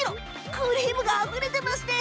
クリームがあふれてます。